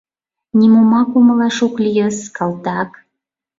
Нимомак умылаш ок лийыс, калтак.